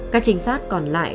các trinh sát còn lại